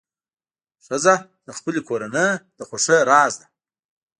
ښځه د خپلې کورنۍ د خوښۍ راز ده.